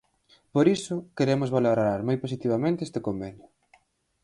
Por iso, queremos valorar moi positivamente este convenio.